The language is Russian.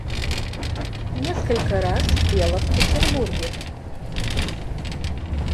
Несколько раз пела в Петербурге.